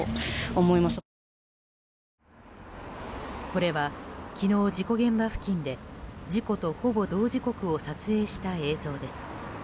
これは昨日、事故現場付近で事故とほぼ同時刻を撮影した映像です。